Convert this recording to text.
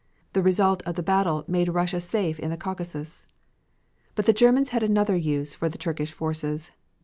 The result of the battle made Russia safe in the Caucasus. But the Germans had another use for the Turkish forces.